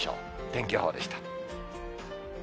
天気予報でした。